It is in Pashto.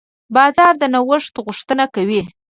بازار د نوښت غوښتنه کوي.